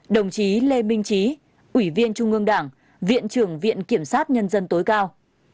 hai mươi sáu đồng chí lê minh trí ủy viên trung ương đảng viện trưởng viện kiểm sát nhân dân tối cao